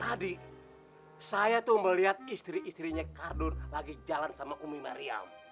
adik saya tuh melihat istri istrinya kardun lagi jalan sama umi mariam